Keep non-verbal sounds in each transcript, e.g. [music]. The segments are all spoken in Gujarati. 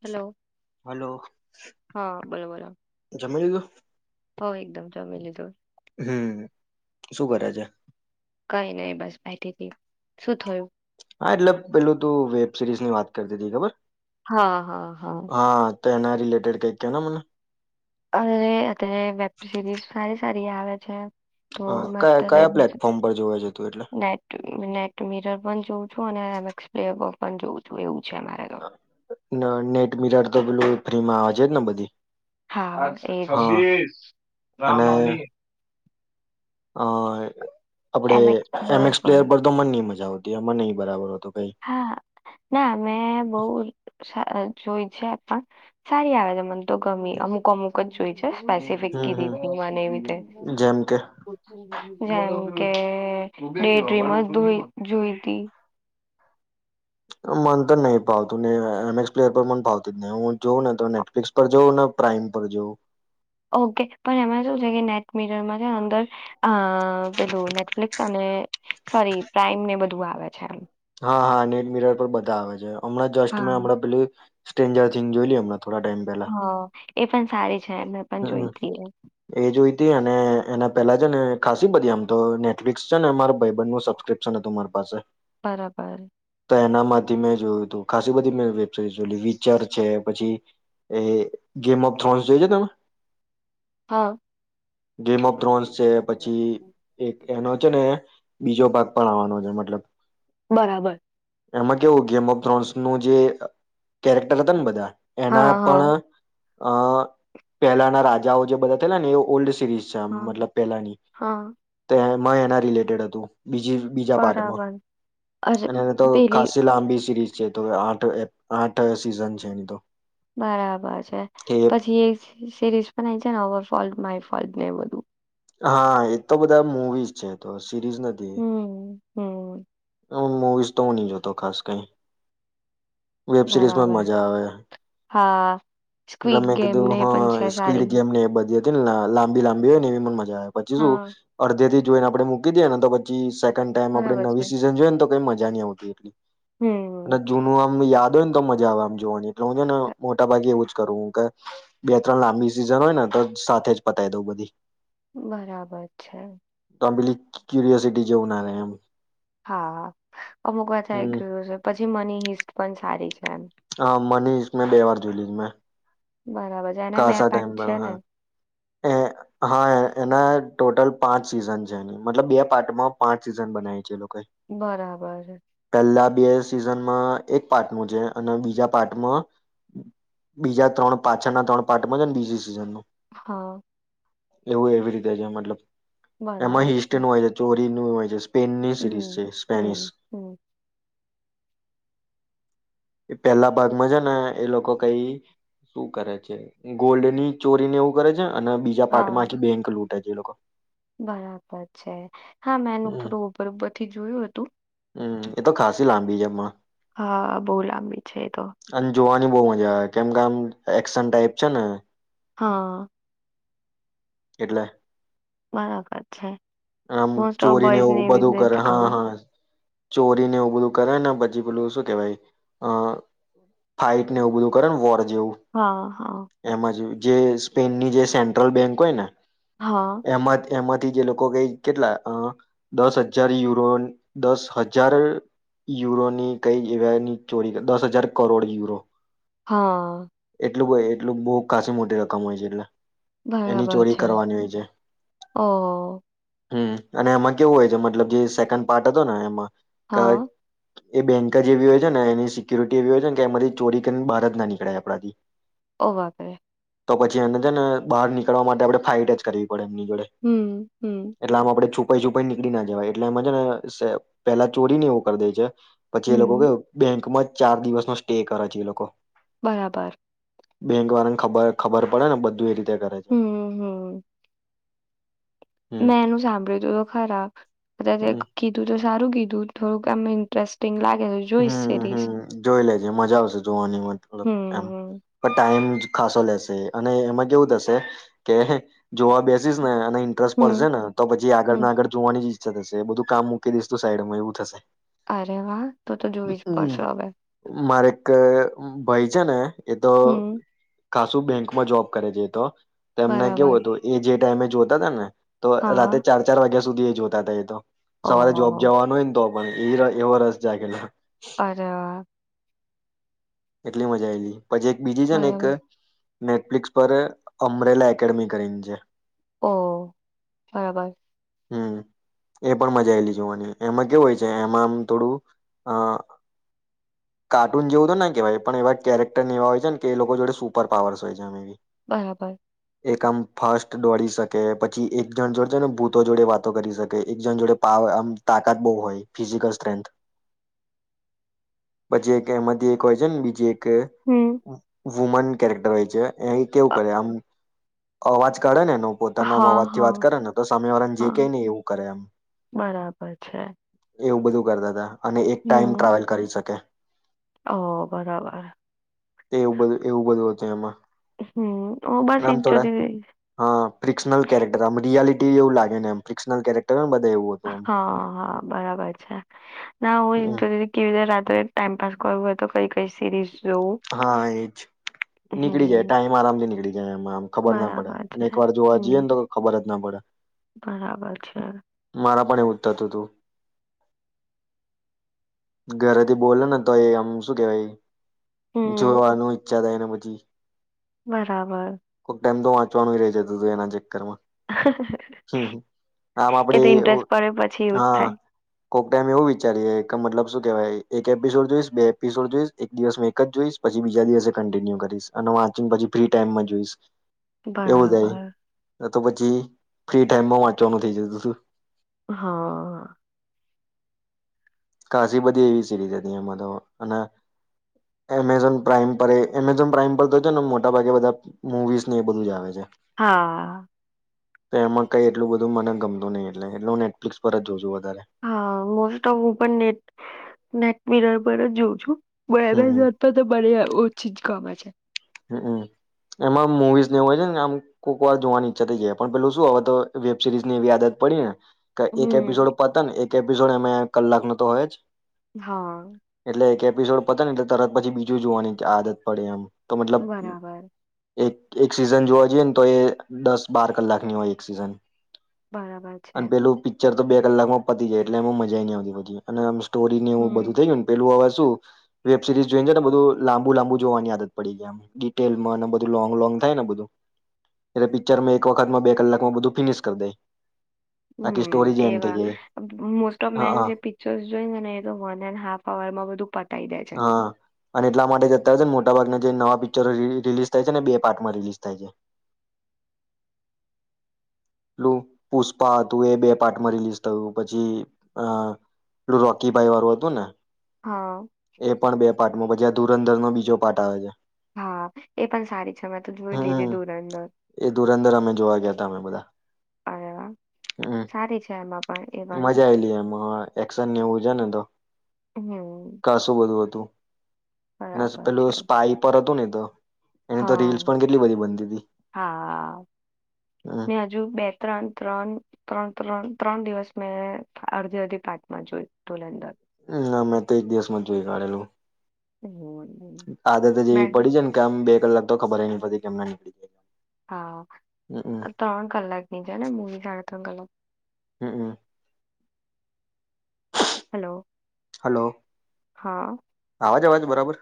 હલો હલો બોલો જમી લીધું? હો એકદમ જમી લીદુ. હમ્મ શું કરે છે? કઈ નહી બસ બેઠી થી. શું થયું? હા એટલે પેલું ત વેબ સિરીઝ ની વાત કરતી હતી ખબર. હા હા હા. તો એના રિલેટેડ કઈક કે ન મને. અને અત્યારે વેબ સરીઝ સારી સારી રિ આવે છે. તો હા, મે કયા અત્યારેજ કયા પ્લેટફોર્મ પર જોવે છે તું એટલે? નેટ નેટ મિરર પણ જોઉં એમે એક્સ પ્લેયર બ. પણ જોઉું છું એવું છેન. નેટ મિરાર તો પેલું ફ્રી માં આવે છે જ ને બધી. હા એ જ હા ગંભીર રામનવમી હા. આપડે એમ એક્સ પ્લેયર પર તો મન ન મજ [unintelligible] એમાં નહી બરાબર હોતું કઈ હા ના મેં બહ સા જોય છે પણ સારી આવે છે મને તો ગમે અમુક અમુક જ જોઈ છે. સ્પેસિફિક હમ હમ કીધી તી મને એવીતે. જેમ કે જેમ કે ડે ડ્રીમ જ જોઈતી. મન તો નહી ફાવતું ને એમએક્સ પ્લેયર પર મન ફાવતી જ નહી હું જોઉં ને તો નેટફ્લિક્સ પર જોઉં ને પ્રાઈમ પર જોઉં. ઓકે પણ એમાં શું છે કે નેટ મીટરમાં છે અંદર અ પેલું નેટફ્લિક્સ અને સોરી પ્રાઈમ ને બધું આવે છે એમ. હા હા નેટ મિરર પર બધા આવે છે. હમણા જસ્ટ મે હા અ પલી સ્ટ્રેન્જર થિંગ જોઈલી અમના. થોડા ટાઈમ પહેલા. હા એ પણ સારી છે. મેં પણ હમ્મ જોઈ હતી એ એ જોઈતી અને એના પેલા છે ને ખાસી બધી આમ તો નેટફ્લિક્સ છે ને માર ભાઈબન નું સબસ્ક્રિપ્શન હતું મારી પાસે. બરાબર. એના માંથી મેં જોયું તું ખાસ બધી મે વેબસીરીઝ જોય વિચર છે પછી એ ગેમ ઓફ થ્રોન્ જોય છે તમે. હા ગેમ ઓફ ધ્રોન્સ છે પછી એક એનો છે ને બીજો ભાગ પણ આવવાનો છે મતલબ. બરાબર. એમાં કેવું ગેમ ઓફ ધ્રોન્સ નું જે કેરેક્ટર હતા ને બધા એના હા પણ હા આ પહેલાના રાજાઓ જે બધા થેલા ને એ ઓલ્ડ [unintelligible] હા મતલબ પેલાની હા તે માં એના રિલેટેડ હતું. બીજી બીજા પાર્ટમાં, બરાબર અચ્છા અને એને તો પેલી ખાસી લાંબી સિરીઝ. છે તો એ આઠ એપ આઠ સિઝન છે એની તો. બરાબર છે પછી એક સિરીઝ પણ છે ને ઓવર ફોલ્ટ માય ફોલ્ટ ને એવુ બધું. હા એ તો બધા મુવીઝ છે તો. સીરીઝ નથી. હમ્મ. હ મુવીઝ તો ની જોતો ખાસ કઈ. વેબ સિરીઝમાં જ બરાબર મજા આવે, હા એટલે સ્ક્વીડ મેં કીધું ગેમને હ પણ છે સ્ક્વીડ સારી ગેમ ને એ બધી. લાંબી લાંબી હોય ન એવી મન મ જા પછી સુ હા અડધેથી જોઇને આપડે મૂકી દીએને તો પછી સે કેન્ડ ટાઇમ આપડે બરાબર છે. નવી સિ સીજન જોઇ તો કઈ મ જા ની આવતી એટલી. અને હમ જૂનું આમ યા દ હોયન તો મજા આવે આમ જોવાની એટલે હું છે ને મોટા ભાગે એવું જ કરું કે બે ત્રણ લાંબી સીઝન હોય ને તો સાથે જ પતાય દઉ બધી. બરાબર છે. તબલી ક્યુરયોસિટી જેવુ ના રે એમ. હા હા અમુક વાર થઈ હમ ગયું છે પછી મની હિસ્ટ પણ સારી છે. એમ હ મની હિસ્ટ મેં બે વાર જોયઈ છ મેં. બરાબર છે એને બે ખાસા પાટ ટાઈમ પર છે હા ને. એ હા એના ટોટલ પાંચ સીઝન છે એની મતલબ બે પાર્ટમાં પાંચ સીઝન બનાઈ છે એ લોકો બરાબર. બે સિઝનમાં એક પાર્ટ નું છે, અને બીજા પાર્ટમાં બીજા ત્રણ પાછળના ત્રણ પાર્ટમાં છે ને બીજી સીઝન નું. હા. એવું એવી રીતે છે મતલબ. એમાં હિસ્ટ નું હોય છે ચો રી નું હોય છે સ્ પેનની સિરીઝ હમ છે એ સ્પેનિશ. હમ હમ એ પેલા ભાગમાં છે ને એ લોકો કઈ શું કરે છે ગોલ્ડ ની ચોરીને એવું કરે છે. અને બીજા હા પાર્ટમાં બેંક લૂટ. તે જે લોકો બરાબર છે. હા મેનું હમ થોડું ઉપર ઉપરથી જોયું હતું. બીજામાં હા બહુ લાંબી છે એ તો અને જોવાની બહુ મજા આવે કેમ કે આમ એક્શન ટાઈપ છે ને હ એટલે બરાબર છે. આમ મોસ્ટ ઓફ ચોરીને બોઈઝ ને એવું એવી બધું જ કરે નથી હા ગમે હા ચોરીને એવું બધું કરે ને પછી પેલું શું કેવાય અ ફાઈટ ને એવું બધું કરે વોર જેવું હા, હા, એમાં જે જે સ્પેનની જે સેન્ટ્રલ બેંક હોય ને હ એમાં એમાંથી જે લોકો કંઈ કેટલા અ દસ હજાર યુરો દસ હજાર યુરોની કઈ એવાની ચોરી દસ હજાર કરોડ યુરો હા એટલું એટલુંક બહુ ખાસી મોટી રકમ હોય છે એટલે એની બરાબર ચોરી છે. કરવાની ઓહ હમ્મ અને એમાં કેવું હોય છે મતલબ જે સેકન્ડ પાર્ટ હતો ને એમાં હા એ બેન્ક જ એવી હોય છે ને એની સિક્યોરિટી એવી હોય છે ને કે એમાંથી ચોરી કરીને બહાર જ ના નીકળાય આપણાથી ઓહ! બાપ રે તો પછી એને છે ને બહાર નીકળવા માટે આપણે ફાઇટ જ કરવી પડે એમની જોડે હમ, હમ, આમ આપણે છુપાઈ છુપાઈને નીકળી ના જવાય એટલે એમાં છે ને પેલા ચોરીને એવું કર દે છે. પછી એ લોકો હમ, કેવું બેંકમાં જ ચાર દિવસ નો સ્ટે કરે છે એ લોકો બરાબર બેંક વાળાને ખબર ખબર પડે ને બધું એ રી તે કરે છે. હમ, હમ. હમ મેં એનું સાંભળ્યું તું તો ખરા હમ કીધું તો સારું કીધું થોડુંક આમ ઇન્ટરેસ્ટિંગ લાગ હમ્મ હમ્મ જોઈ લેજે મજા આવશે જોવાની મતલબ એમ હમ, પણ ટાઈમ ખાસો લેશે અને એમાં કેવું થશે કે જોવા બેસીસને ને ઇન્ટરેસ્ટ પડશે હમ, ને તો પછી હમ. આગળના આગળ જોવાની ઈચ્છા થશે. એ બધું કામ મૂકી દઈશ તું સાઈડમાં એવું થશે. અરે વાહ! તો તો જોવી જ હમ્મ પડશે હવે. મારે એક ભાઈ છે ને એ તો હમ, ખાસું બેંકમાં જોબ કરે છે એ તો. તેમને બરાબર. કેવું હતું એ જે ડેમેજ હોતા હતા ને. તો હા. રાતેે ચાર ચાર વાગ્યા સુધી એ જોતા થા એ તો. સવારે જોબ ઓહોહો! જવાનું હોય ને તોબ. [unintelligible] એવો રસ જાયગેલ અરે વા. કેટલી મજા આયલી. પછી એક બીજી છે ને એક બરાબર. નેટફ્લિક્સ પર અમરેલા એકેડેમી કરીને છે. ઓહ! બરાબર, હમ્મ એ પણ મજા આવેયલી જોવાની એમાં કેવું હોય છે એમાં આમ થોડું અ કાર્ટૂન જેવું કેવાય પણ એવા કેરેક્ટર એવા હોય છે ને એ લોકો જોડે સુપર પાવર્સ હોય છે અમે. બરાબર. એક આમ ફર્સ્ટ દોડી શકે પછી એક જણ જોડે છે ને ભૂતો જોડે વાતો કરી શકે એક જણ જોડે આમ તાકાત બહુ હોય ફિઝિકલ સ્ટ્રેન્થ પછી એક એમાંથી એક કહે છેન બીજે એક કે હમ. વુમન કેરેક્ટર હોય છે એ કેવું અ કરે આમ અવાજ કાઢે ને પોતાના હા, અવાજ થી હા. વાત કરે ને તો સામે વાળાને જે કઈ હા નહી એવું કરે એમ. બરાબર છે એવું બધું કરતા હતા. અને એક ટાઈઇમ હમ ટ્રાવેલ કરી શકે. ઓ બરાબર. એવું બધું એવું બધું હત એમાં. હમ હું બસ નામ એજ થોડા જોતી હતી હા ફિકશનલ કેરેક્ટર રિયાલિટી ઈ એવું લાગે ને એમ ફિક્સનલ કેરેક્ટર હોય બ હા હા બરાબર છે. ના આમ હું તો હમ, કેવી રીતે રાતો ટાઈમપાસ કરું હોય તો કઈ કઈ સિરીઝ. જોવું હા એજ નીકળી જાય હમ ટાઈમ આરામથી નીકળી જાય એમાં આમ ખબર ના પડે બરાબર અને છે એક વાર જોવા હમ જઈએ ને તો ખબર જ ના પડે. બરાબર છે મારા પણ એવું થતું હતું. ઘરેથી બોલે ને તો એ આમ શું કેવાય હમ જોવાનું ઈછ. જગાએ ને પછી બરાબર. ચો નું ર છે તું તો એના ચક્કરમાં. હમ આમ આપડે એ તો ઇન્ટરેસ્ટ પડે પછી એવુંજ હા થાય. કોક ટાઈમ એવું વિચારીએ ક મતલબ શું કેવાય એક એપિસોડ જોઈસ બે એપિસોડ જોઈસ એક દિવસ મેં એક જ જોઈશ પછી બીજા દિવસે કન્ટિન્યુ કરીશ અને વાચિંગ પછી ફ્રી ટાઈમમાં જોઈસ. બરાબર. તો પછી ફ્રી ટાઈમમાં વાંચવાનું થઈ જતું થું. હા. કાશી બધી એવી સિરીઝ હતી એમાં તો અને એમેઝોન પ્રાાઈમ પર એ એમેઝોન પ્રાાઈમ પર તો છે ને મોટા ભાગે બધા મુવીઝ ને એ બધું જ આવે છે. હા. તો એમાં કઈ એટલું બધું મને ગમતું નઈ એટલે એટલ હું નેટફ્લિક્સ પર જ જોઉં છું વ હા મોસ્ટ ઓફ હું પણ નેટ નેટ મીરર પર જ જોઉં છું. વે બે હમ જતો તો બળિયા ઓ ચી જ કામા છે. હમ્મ એમાં મુવીઝ નેવું હોય છે ને આમ કોક વાર જોવાની ઈચ્છા થઈ જાય પણ પેલું શું હવે તો વેબ સિરીઝ ની એવી આદત પડી ને કા એક હમ એપિસોડ પતે ને એક એપિસોડ એમાં એ કલાક નો તો હોય જ. હા. એટલે એક એપિસોડ પતા નહીં તો તરત પછી બીજું જોવાની આદત પડે એમ. તો મતલબ બરાબર એક એક સિઝન જોવા જઈએ ને તો એ દસ બાર કલાકની હોય એક સિઝન. બરાબર છે. અને પેલું પિક્ચર તો બે કલાકમાં પતી જાય એટલે એમાં મજા નહી આવતી હોતી અને એમ સ્ટોરીનેવું બધું હમ થયું પેલુંવાજ શું વેબ સિરીઝ જોઈને છે ને બધું લાંબુ લાંબુ જોવાની આદત પડી ગઈ એમ ડિટેલમાં ના બધુંં લોંગ લોંગ થાય ને બધું એટલે પિક્ચરમાં એક વખતમાં બે કલાકમાં બધું ફિનિશ કર દે. આખી હમ્મ સ્ટોરી જ એન્ડ થઈ એવા. જાય મોસ્ટ ઓફ મેન હા જે પિક્ચર જોઈને ને એ તો વન એન્ડ હાફ આવર માં બધું પ તાઈ જાએ છે. હા અને એટલા માટે જતા હોય છે ને મોટા ભાગના જે નવા પિક્ચરો રિલીઝ થાય છે ને બે પાર્ટમાં રિલીઝ થાય છે. એલું પુષ્પા હતું એ બે પાર્ટમાં રિલીઝ થયું પછી અહ પલું રોકી ભાઈ વાળું હતું ને હા. એ પણ બે પાર્ટમાં પછી આ ધુરંધર નો બીજો પાર્ટ આવે છે. હા એ પણ સારી છે મેં તો જોઈ લીધી હમ્મ. ધુરંદર એ ધુરંધર અમે જોવા ગયા તા અમે બધા. અરે વાહ હમ્મ સારી છે એમાં પણ એ પણ મજા આયલી એમાં એક્શન એવું છે ને તો. હમ બોલું હતું. નસ બરાબર પેલું છે સ્પાઈ પર હતું ને [inaudible] તો હા રીલ્સ પણ કેટલી બધી બનતી હતી હા હજુ બે ત્રણ ત્રણ ત્રણ ત્રણ. ત્રણ દિવસ મેં અડધી અડધી પાાર્ટમાં જોય ધુરંદર ના મેં તો એ દિવસમાં જ જોઈ કાઢેલું હમ આદતે જેવી મેં પડી જ ને કેમ બે. કલાક તો ખબર નહીં પડતી કેમ ના કળી જાયે હા ત્રણ કલાક ની છે ને મૂવી સાડા ત્રણ કલાક. હમ્મ હમ્મ હલો. હલો. હા. અવાજ અવાજ બરાબર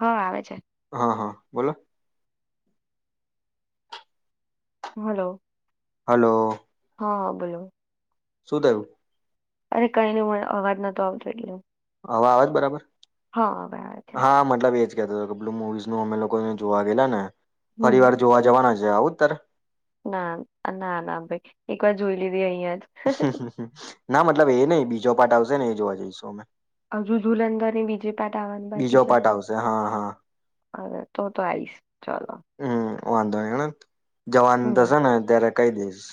હા આવે છે. હા હા બોલો. હલો. હલો. હા હ બોલો. શું થયું. અરે કઈને મ અવાજ નતો આવતો એટલે. હવે આવેજ બરાબર. હા હાવે આવે છે. હા મતલબ એજ કેતો હતો પેલું મુવીઝ નું અમે લોકોને જોવા ગેલા ને. ફરી વાર હમ જોવા જવાના છે. આવું તારે ના ના ના ભાઈ એક વાર જોઈ લીધી અહિયાં. [inaudible] ના મતલબ એ નહી બીજો પાાર્ટ આવશે ને એ જોવા જઈશું અમે. હજુ ધુલંધરની બીજી પાર્ટ આવવાનું બાકી બીજો છે પાર્ટ આવશે હા હા હવે તો તો આવીઈશ ચલો. હમ વાંધો ની હને જવાન હમ થશે ને ત્યારે કઈ દિવસ.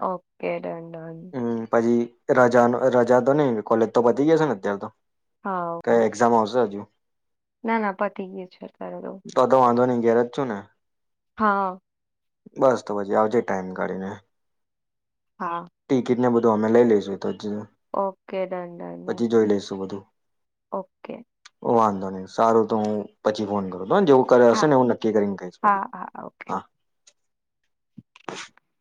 ઓકે. ડન ડન હમ્મ પાછી રાજાનો રજા તો નહી કોલેજ તો પતી જશે ને અત્યાર તો. કઈ હા એક્ઝામ આવશે હજુ. ના ના પતી ગયુ છે પહેલું ઘરે છો ને હા. બસ તો પછી આવજે ટાઈમ કાઢીને. હા. ટિકિટ ને બધું અમે લઈ લઈશું એ તો. [unintelligible] ઓકે ડન ડન ડન પછી જોઈ લઈશું બધું. ઓકે. વાંધો નહી, સારું તો હું પછી ફોન કરું. [unintelligible] બ જેવું કરે હશે હા ને એવું નક્કી કરીને કહિશ હા પછી, ઓકે હા.